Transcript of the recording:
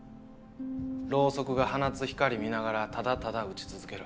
ロウソクが放つ光見ながらただただ打ち続ける。